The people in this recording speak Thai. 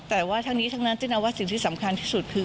แต่ว่าทั้งนี้ทั้งนั้นจึงเอาว่าสิ่งที่สำคัญที่สุดคือ